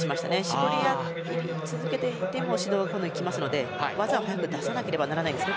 絞り続けていても指導がいきますので技を出さなければならないです。